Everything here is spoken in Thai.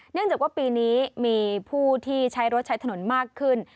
เนื่องจากว่าปีนี้มีผู้ที่ใช้รถใช้ถนนมากขึ้น